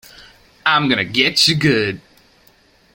I'm Gonna Getcha Good!